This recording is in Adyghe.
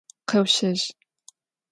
Къэущэжь!